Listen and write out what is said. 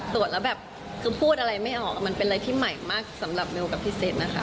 ตรวจแล้วแบบคือพูดอะไรไม่ออกมันเป็นอะไรที่ใหม่มากสำหรับเบลกับพี่เซ็ตนะคะ